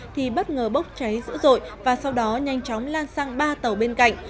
thì bất ngờ bốc cháy dữ dội và sau đó nhanh chóng lan sang ba tàu bên cạnh